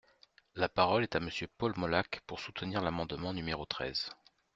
La parole est à Monsieur Paul Molac, pour soutenir l’amendement numéro treize.